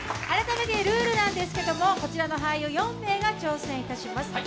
改めてルールですがこちらの俳優４名が挑戦します。